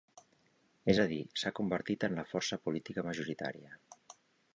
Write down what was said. És a dir, s’ha convertit en la força política majoritària.